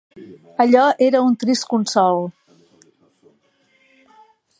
Allò era un trist consol.